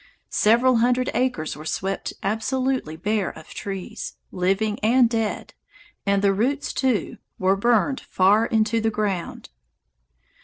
Several hundred acres were swept absolutely bare of trees, living and dead, and the roots too were burned far into the ground.